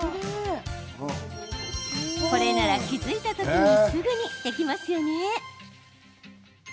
これなら気付いた時にすぐにできますよね。